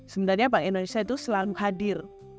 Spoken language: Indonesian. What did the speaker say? sebenarnya bank indonesia itu selalu hadir